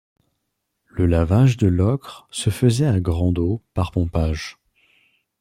Le lavage de l'ocre se faisait à grande eau par pompage.